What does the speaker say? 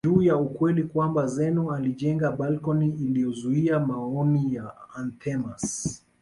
juu ya ukweli kwamba Zeno alijenga balcony iliyozuia maoni ya Anthemius